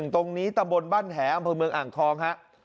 ตรงนี้ตะบนบ้านแถวเมืองห่างท้อง